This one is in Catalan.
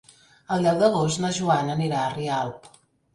El deu d'agost na Joana anirà a Rialp.